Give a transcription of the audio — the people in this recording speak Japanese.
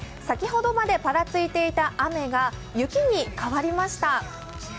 先ほどまでパラついていた雨が雪に変わりました。